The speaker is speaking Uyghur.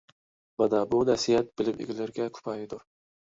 مانا بۇ نەسىھەت بىلىم ئىگىلىرىگە كۇپايىدۇر.